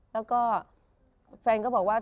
แล้วก็แฟนก็บอกว่า